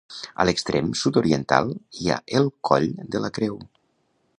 A l'extrem sud-oriental hi ha el Coll de la Creu.